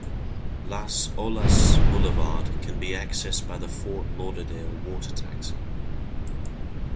Las Olas Boulevard can be accessed by the Fort Lauderdale water taxi.